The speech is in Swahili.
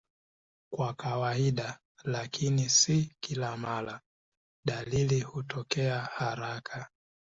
Kwa kawaida, lakini si kila mara, dalili hutokea haraka.